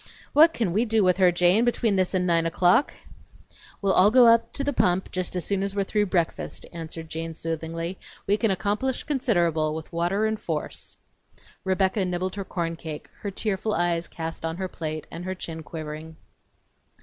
What can we do with her, Jane, between this and nine o'clock?" "We'll all go out to the pump just as soon as we're through breakfast," answered Jane soothingly. "We can accomplish consid'rable with water and force." Rebecca nibbled her corn cake, her tearful eyes cast on her plate and her chin quivering.